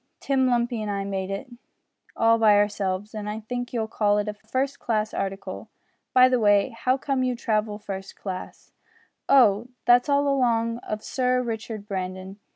Tim Lumpy and I made it all by ourselves, and I think you'll call it a first class article. By the way, how came you to travel first class?" "Oh! that's all along of Sir Richard Brandon.